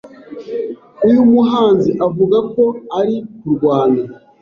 Uyu muhanzi avuga ko ari kurwana